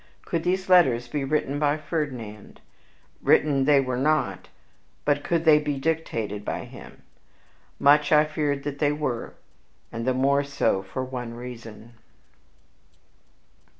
Could these letters be written by Ferdinand? Written they were not, but could they be dictated by him? Much I feared that they were; and the more so for one reason.